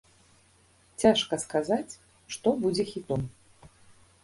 Цяжка сказаць, што будзе хітом.